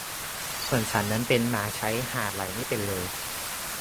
ส่วนฉันนั้นเป็นหมาใช้ห่าไรไม่เป็นเลย